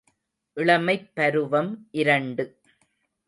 இளமைப் பருவம் இரண்டு.